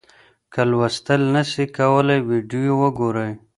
که لوستل نسئ کولای ویډیو وګورئ.